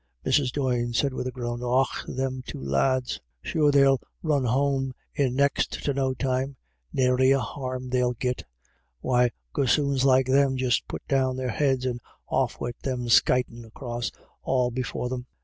Mrs. Doyne said with a groan, " Och, them two lads !"" Sure they'll run home in next to no time ; nary a harm they'll git. Why, gossoons like them just put down their heads and off wid them skytin' across all before them.